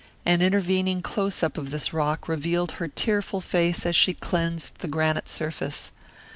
An intervening close up of this rock revealed her tearful face as she cleansed the granite surface.